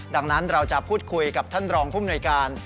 ดังนั้นเราจะพูดคุยกับท่านรองภูมิหน่วยการ